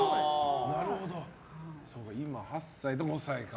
今、８歳と５歳か。